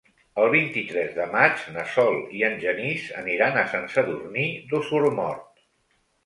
El vint-i-tres de maig na Sol i en Genís aniran a Sant Sadurní d'Osormort.